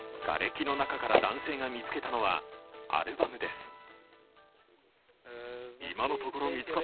がれきの中から男性が見つけたのはアルバムです。